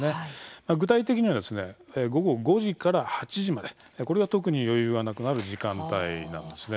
具体的には午後５時から８時までこれが特に余裕がなくなる時間帯なんです。